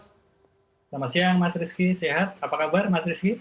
selamat siang mas rizky sehat apa kabar mas rizky